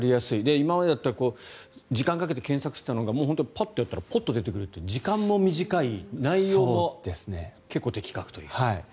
今までだったら時間をかけて検索をしていたのがもう本当にパッとやったらポッと出てくる時間も短い内容も結構的確という。